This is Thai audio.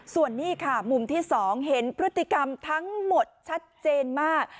ส่วนนี้ค่ะมุมที่๒เห็นพฤติกรรมทั้งหมดชัดเจนมาก